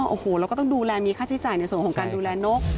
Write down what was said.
โอ้โหเราก็ต้องดูแลมีค่าใช้จ่ายในส่วนของการดูแลนก